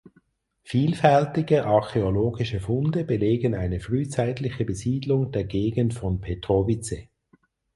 Vielfältige archäologische Funde belegen eine frühzeitliche Besiedlung der Gegend von Petrovice.